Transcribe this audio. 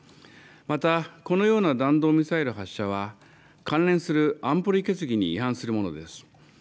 また、このような弾道ミサイル発射は関連する安保理決議に違反するものです。